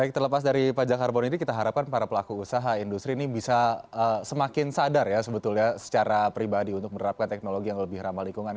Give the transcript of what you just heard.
baik terlepas dari pajak karbon ini kita harapkan para pelaku usaha industri ini bisa semakin sadar ya sebetulnya secara pribadi untuk menerapkan teknologi yang lebih ramah lingkungan